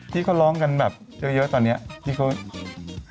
ที่เขาร้องกันแบบเยอะตอนนี้ที่เขา